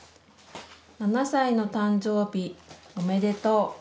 ７歳の誕生日おめでとう。